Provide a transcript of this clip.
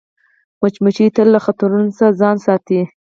مچمچۍ تل له خطرونو ځان ساتي